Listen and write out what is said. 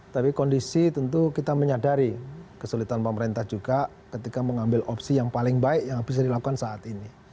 tapi kondisi tentu kita menyadari kesulitan pemerintah juga ketika mengambil opsi yang paling baik yang bisa dilakukan saat ini